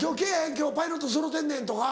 今日パイロットそろうてんねん」とか。